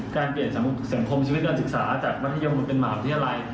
การเปลี่ยนสังคมชีวิตกว่าโดนศึกษาจากมันโทนนั้นเป็นหมาวันที่ที่อะไร